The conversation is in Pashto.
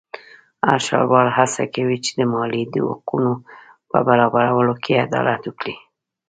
هر ښاروال هڅه کوي چې د مالیې د حقونو په برابرولو کې عدالت وکړي.